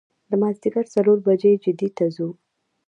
د مازدیګر څلور بجې جدې ته ځو.